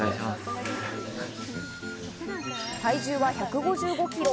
体重は１５５キロ。